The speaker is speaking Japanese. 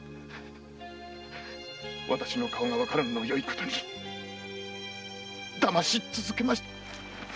私の顔がわからぬのをよい事にだまし続けた。